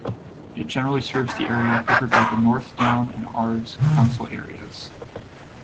It generally serves the area covered by the North Down and Ards council areas.